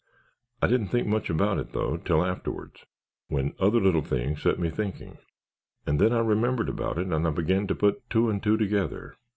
I didn't think much about that though till afterwards when other little things set me thinking and then I remembered about it and I began to put two and two together.